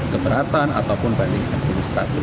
keberatan ataupun banding administratif